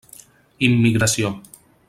Immigració.